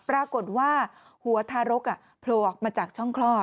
ปรากฏว่าหัวทารกโผล่ออกมาจากช่องคลอด